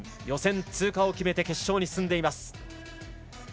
予選通過を決めて決勝に進んでいます。